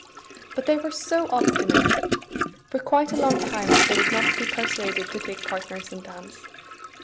But they were so obstinate! For quite a long time they would not be persuaded to take partners and dance.